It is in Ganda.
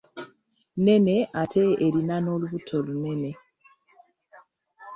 Nnene ate erina n'olubuto olunene.